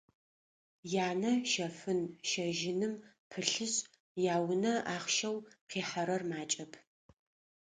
Янэ щэфын-щэжьыным пылъышъ, яунэ ахъщэу къихьэрэр макӏэп.